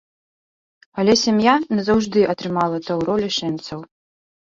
Але сям'я назаўжды атрымала таўро лішэнцаў.